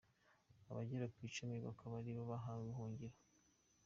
Abagera ku icumi bakaba ari bo bahawe ubuhungiro.